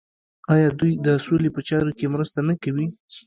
آیا دوی د سولې په چارو کې مرسته نه کوي؟